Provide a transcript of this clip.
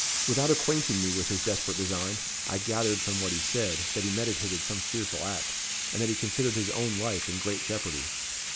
Without acquainting me with his desperate design, I gathered from what he said, that he meditated some fearful act, and that he considered his own life in great jeopardy.